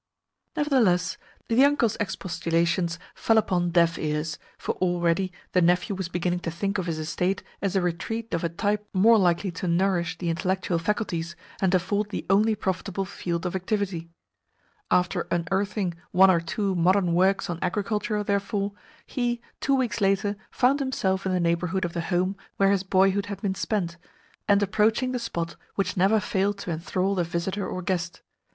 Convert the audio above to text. Nevertheless the uncle's expostulations fell upon deaf ears, for already the nephew was beginning to think of his estate as a retreat of a type more likely to nourish the intellectual faculties and afford the only profitable field of activity. After unearthing one or two modern works on agriculture, therefore, he, two weeks later, found himself in the neighbourhood of the home where his boyhood had been spent, and approaching the spot which never failed to enthral the visitor or guest.